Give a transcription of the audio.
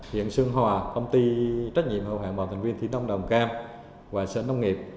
hiện sơn hòa công ty trách nhiệm hữu hạn một thành viên thủy nông đồng cam và sở nông nghiệp